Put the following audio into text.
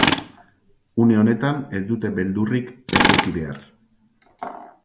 Une honetan ez dute beldurrik eduki behar.